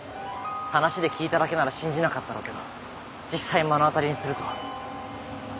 ⁉話で聞いただけなら信じなかったろうけど実際目の当たりにすると。